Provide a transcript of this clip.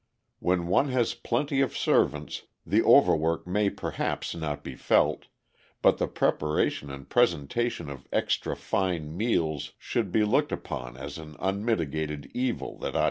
When one has plenty of servants, the overwork may perhaps not be felt, but the preparation and presentation of "extra fine" meals should be looked upon as an unmitigated evil that ought to cease.